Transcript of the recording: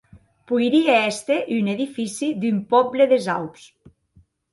Poirie èster un edifici d'un pòble des Aups.